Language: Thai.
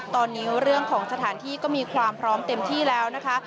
ตอนนี้เรื่องของสถานที่ก็มีความพร้อมเต็มที่แล้วนะคะ